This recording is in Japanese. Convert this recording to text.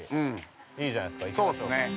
いいじゃないですか行きましょう。